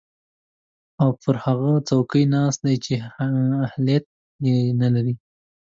او پر هغه څوکۍ ناست دی چې اهلیت ېې نلري